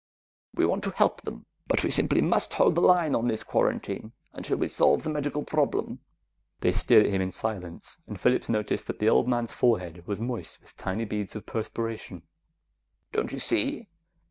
We want to help them, but we simply must hold the line on this quarantine until we solve the medical problem." They stared at him in silence, and Phillips noticed that the old man's forehead was moist with tiny beads of perspiration. "Don't you see?